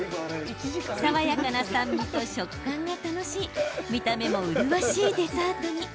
爽やかな酸味と食感が楽しい見た目も麗しいデザートに。